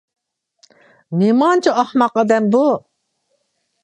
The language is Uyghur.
نېمانچە ئەخمەق ئادەم بۇ.